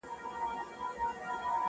نن دي سترګي سمي دمي ميکدې دی.